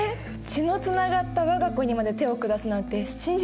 血のつながった我が子にまで手を下すなんて信じられないよね。